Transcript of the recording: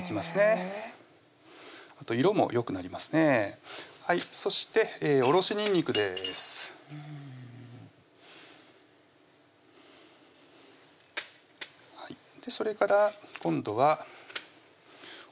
へぇあと色もよくなりますねそしておろしにんにくですふんそれから今度はお塩ですね